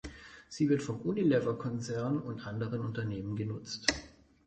Sie wird vom Unilever-Konzern und anderen Unternehmen genutzt.